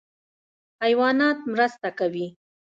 حیوانات مرسته کوي.